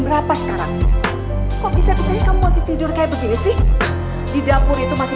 berapa sekarang kok bisa bisa kamu masih tidur kayak begini sih di dapur itu masih